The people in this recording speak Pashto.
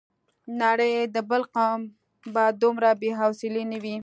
د نړۍ بل قوم به دومره بې حوصلې نه وي.